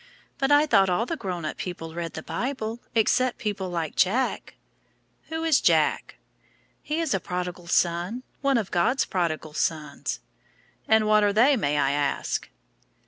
But I thought all the grown up people read the Bible, except people like Jack." "Who is Jack?" "He was a prodigal son, one of God's prodigal sons." "And what are they, may I ask?"